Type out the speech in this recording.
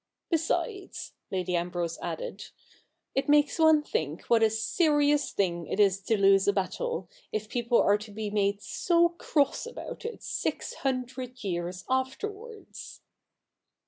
Besides,' Lady Ambrose added, ' it makes one think what a serious thing it is to lose a battle, if people are to be made so cross about it six hundred years afterwards.'